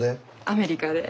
アメリカで。